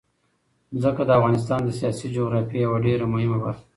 ځمکه د افغانستان د سیاسي جغرافیه یوه ډېره مهمه برخه ده.